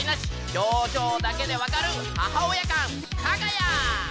表情だけで分かる母親感かが屋。